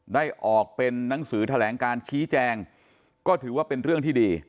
ได้ออกเป็นนังสือแถลงการชี้แจงก็ถือว่าเป็นเรื่องที่ดี